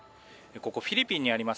ここフィリピンにあります